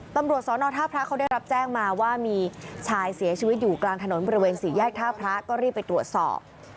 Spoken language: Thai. ตำรวจสอนอท่าพระเขาได้รับแจ้งมาว่ามีชายเสียชีวิตอยู่กลางถนนบริเวณสี่แยกท่าพระก็รีบไปตรวจสอบ